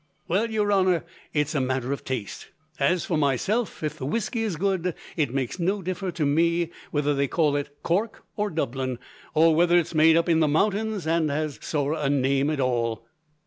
"Well, your honour, it is a matter of taste. As for myself, if the whisky is good, it makes no differ to me whether they call it Cork or Dublin, or whether it is made up in the mountains and has sorra a name at all."